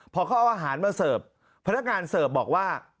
พอเขาเอาอาหารมาเสิร์ฟพนักงานเสิร์ฟบอกว่า